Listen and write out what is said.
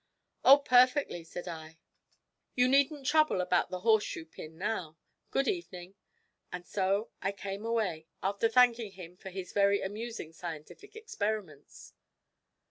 '"Oh, perfectly,"' said I, "you needn't trouble about the horse shoe pin now. Good evening," and so I came away, after thanking him for his very amusing scientific experiments.'